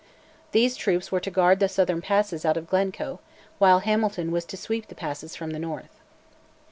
These troops were to guard the southern passes out of Glencoe, while Hamilton was to sweep the passes from the north.